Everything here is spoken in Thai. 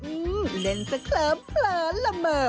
อื้อเล่นสะเคลิ้มเพลินละเมอ